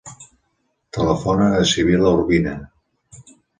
Telefona a la Sibil·la Urbina.